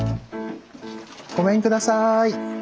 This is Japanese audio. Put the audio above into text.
ごめんください。